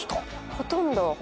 ほとんど。